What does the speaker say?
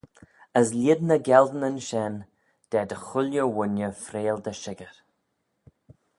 As lhied ny gialdynyn shegin da dy chooilley wooinney freayll dy shickyr.